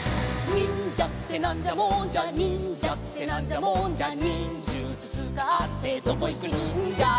「にんじゃってなんじゃもんじゃ」「にんじゃってなんじゃもんじゃ」「にんじゅつつかってどこいくにんじゃ」